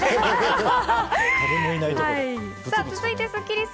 続いてスッキりす。